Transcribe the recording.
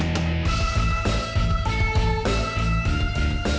lihat jangan berlupa sama janji ya